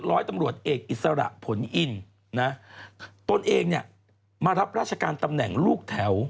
ร้อยตำรวจเอกอิสระผลอินนะตนเองเนี่ยมารับราชการตำแหน่งลูกแถว